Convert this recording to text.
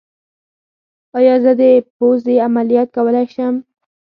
ایا زه د پوزې عملیات کولی شم؟